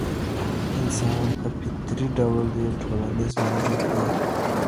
انسان په فطري ډول یو ټولنیز موجود دی.